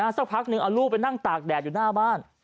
สักพักนึงเอาลูกไปนั่งตากแดดอยู่หน้าบ้าน